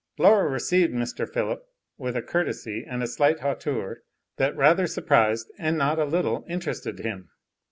Laura received Mr. Philip with a courtesy and a slight hauteur that rather surprised and not a little interested him.